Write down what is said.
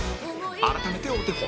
改めてお手本